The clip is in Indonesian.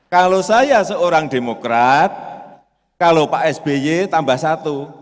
kalau saya seorang demokrat kalau pak sby tambah satu